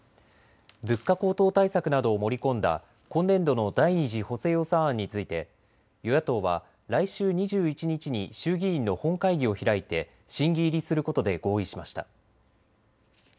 物価高騰対策などを盛り込んだ今年度の第２次補正予算案について与野党は来週２１日に衆議院の本会議を開いて審議入りすることで合意しました。